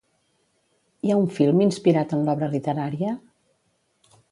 Hi ha un film inspirat en l'obra literària?